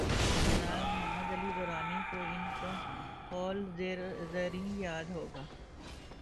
جناب محمد علی درانی کوان کا قول زریں یاد ہو گا۔